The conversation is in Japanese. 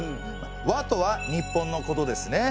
委とは日本のことですね。